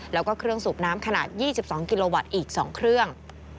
แล้วก็เครื่องสูบน้ำขนาด๒๒กิโลวัตต์อีก๒เครื่อง